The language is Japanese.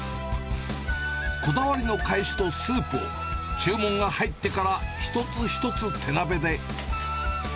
こだわりのかえしとスープを注文が入ってから、一つ一つ手鍋で。